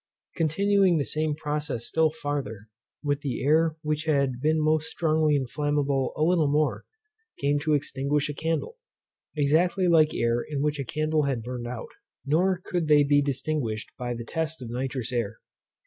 Continuing the same process still farther, the air which had been most strongly inflammable a little before, came to extinguish a candle, exactly like air in which a candle had burned out, nor could they be distinguished by the test of nitrous air.